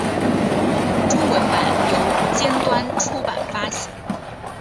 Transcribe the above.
中文版由尖端出版发行。